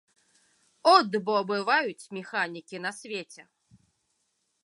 От бо бываюць механікі на свеце!